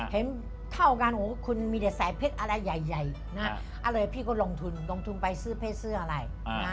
เห็นเข้ากันคุณมีแต่สายเพชรอะไรใหญ่นะอะไรพี่ก็ลงทุนลงทุนไปซื้อเพชรซื้ออะไร